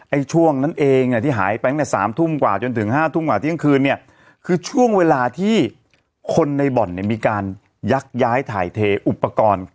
ช่วงนั้นเองที่หายไปตั้งแต่๓ทุ่มกว่าจนถึง๕ทุ่มกว่าเที่ยงคืนเนี่ยคือช่วงเวลาที่คนในบ่อนเนี่ยมีการยักย้ายถ่ายเทอุปกรณ์